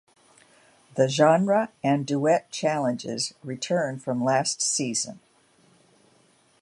The Genre and Duet Challenges return from last season.